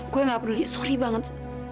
gua nggak peduli sorry banget